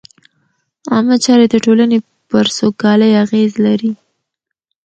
عامه چارې د ټولنې پر سوکالۍ اغېز لري.